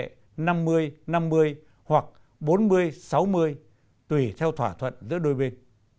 tỷ lệ năm mươi năm mươi hoặc bốn mươi sáu mươi tùy theo thỏa thuận giữa đôi bên